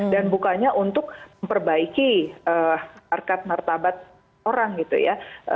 dan bukannya untuk memperbaiki markas martabat orang gitu ya